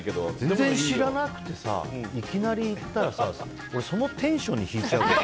全然知らなくてさいきなり行ったらさ俺そのテンションに引いちゃう。